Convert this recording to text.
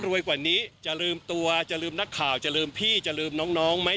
กว่านี้จะลืมตัวจะลืมนักข่าวจะลืมพี่จะลืมน้องไหม